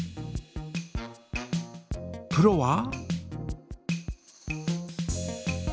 プロは？